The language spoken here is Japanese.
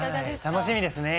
楽しみですね。